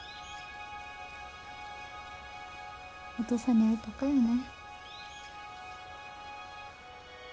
お父さんに会いたかよね。